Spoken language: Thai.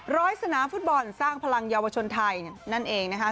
สนามฟุตบอลสร้างพลังเยาวชนไทยนั่นเองนะคะ